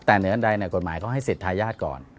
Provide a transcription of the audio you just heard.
แต่เหนืออันใดกฎหมายเขาให้สิทธาญาติก่อน